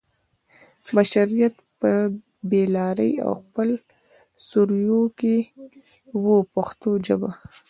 بشریت په بې لارۍ او خپل سرویو کې و په پښتو ژبه.